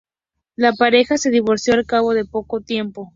La pareja se divorció al cabo de poco tiempo.